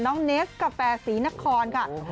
น้องเนสกาแฟสีนครค่ะโอ้โฮ